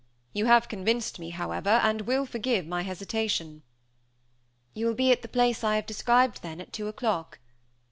You have convinced me, however, and will forgive my hesitation." "You will be at the place I have described, then, at two o'clock?"